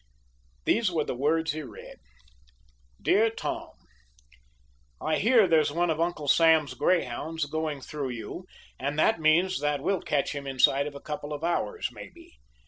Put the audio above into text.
These were the words he read: DEAR TOM: I hear there's one of Uncle Sam's grayhounds going through you, and that means that we'll catch him inside of a couple of hours, maybe.